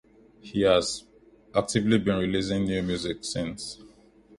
He has actively been releasing new music since.